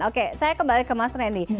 oke saya kembali ke mas randy